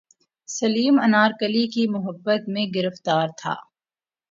سلیم انارکلی کی محبت میں گرفتار تھا